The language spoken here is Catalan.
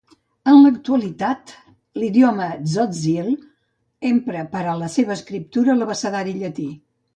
En l'actualitat l'idioma tzotzil empra per a la seva escriptura l'abecedari llatí.